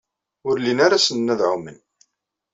Ur llin ara ssnen ad ɛumen.